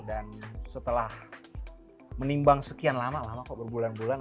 dan setelah menimbang sekian lama lama kok berbulan bulan